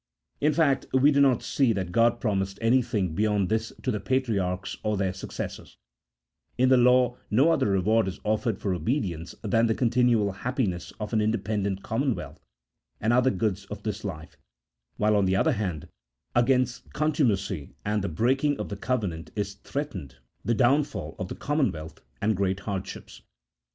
In fact, we do not see that God promised anything beyond this to the patriarchs 1 or their successors ; in the law no other rewaril is offered for obedience than the continual happiness of an independent commonwealth and other goods of this life ; while, on the other hand, against contu macy and the breaking of the covenant is threatened the downfall of the commonwealth and great hardships.